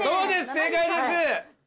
正解です。